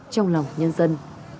trong lòng nhân dân